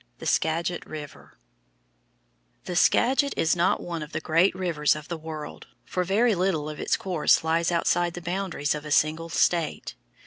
THE SKAGIT RIVER The Skagit is not one of the great rivers of the world, for very little of its course lies outside the boundaries of a single state.